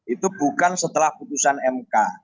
itu bukan setelah putusan mk